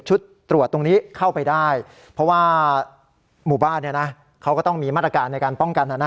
ตรวจตรงนี้เข้าไปได้เพราะว่าหมู่บ้านเขาก็ต้องมีมาตรการในการป้องกัน